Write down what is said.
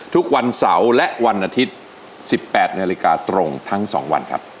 ทุกวันเสาร์และวันอาทิตย์๑๘นสองวันครับ